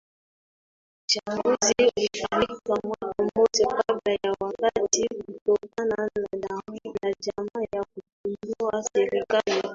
Uchaguzi ulifanyika mwaka mmoja kabla ya wakati kutokana na njama ya kupindua serikali